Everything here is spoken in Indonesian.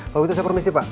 kalau gitu saya permisi pak